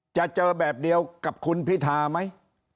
จะเจอแบบเดียวกับคุณพิธาไหม